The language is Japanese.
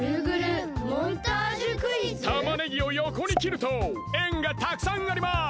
たまねぎをよこにきるとえんがたくさんあります！